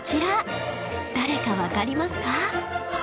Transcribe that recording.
誰かわかりますか？